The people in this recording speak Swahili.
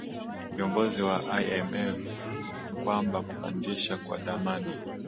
viongozi wa imf kwamba kupandisha kwa dhamani